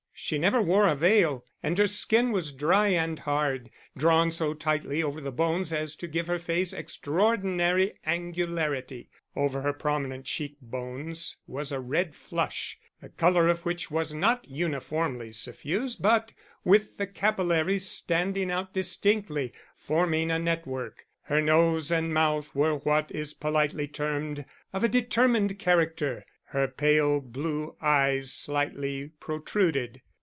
She never wore a veil, and her skin was dry and hard, drawn so tightly over the bones as to give her face extraordinary angularity; over her prominent cheek bones was a red flush, the colour of which was not uniformly suffused, but with the capillaries standing out distinctly, forming a network. Her nose and mouth were what is politely termed of a determined character, her pale blue eyes slightly protruded.